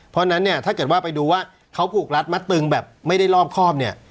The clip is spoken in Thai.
เพราะฉะนั้นเนี่ยถ้าเกิดว่าไปดูว่าเขาผูกรัดมัดตึงแบบไม่ได้รอบครอบเนี่ย